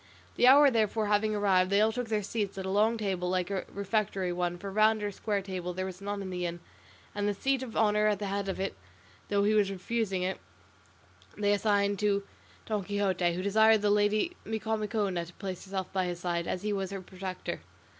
The hour therefore having arrived they all took their seats at a long table like a refectory one, for round or square table there was none in the inn, and the seat of honour at the head of it, though he was for refusing it, they assigned to Don Quixote, who desired the lady Micomicona to place herself by his side, as he was her protector.